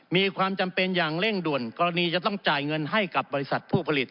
มีความจำเป็นอย่างเร่งด่วนกรณีจะต้องจ่ายเงินให้กับบริษัทผู้ผลิต